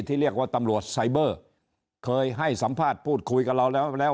ที่เรียกว่าตำรวจไซเบอร์เคยให้สัมภาษณ์พูดคุยกับเราแล้วแล้ว